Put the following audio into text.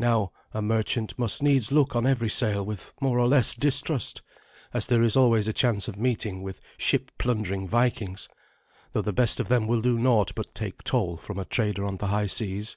Now a merchant must needs look on every sail with more or less distrust, as there is always a chance of meeting with ship plundering Vikings, though the best of them will do naught but take toll from a trader on the high seas.